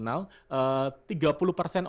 saya kemarin baca jurnal